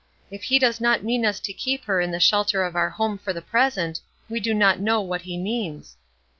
If He does not mean us to keep her in the shelter of our home for the present, we do not know what He means.